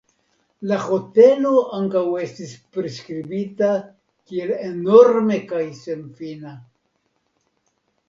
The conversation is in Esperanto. La hotelo ankaŭ estas priskribita kiel enorma kaj senfina.